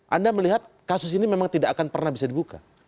anda melihat kasus ini memang tidak akan pernah bisa dibuka